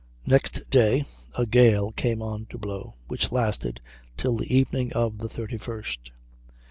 Next day a gale came on to blow, which lasted till the evening of the 31st.